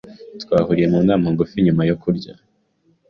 Twahuriye mu nama ngufi nyuma yo kurya.